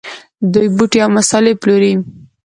دوی بوټي او مسالې پلوري.